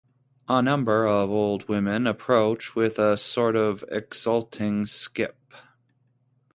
A number of old women approach with a sort of exulting skip.